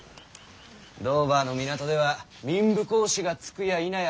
ドーバーの港では民部公子が着くやいなや